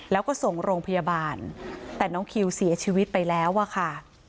แล้วก็ส่งโรงพยาบาลแต่น้องคิวเสียชีวิตไปแล้วอะค่ะ